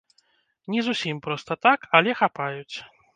Не зусім проста так, але хапаюць.